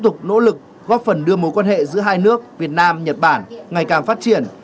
tiếp tục nỗ lực góp phần đưa mối quan hệ giữa hai nước việt nam nhật bản ngày càng phát triển